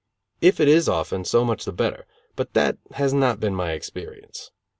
If it is often, so much the better, but that has not been my experience.